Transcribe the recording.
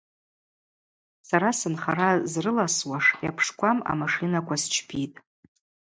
Сара сынхара зрыласуаш йапшквам амашинаква счпитӏ.